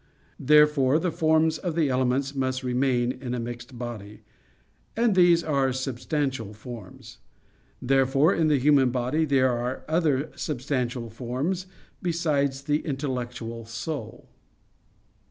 Therefore the forms of the elements must remain in a mixed body; and these are substantial forms. Therefore in the human body there are other substantial forms besides the intellectual soul.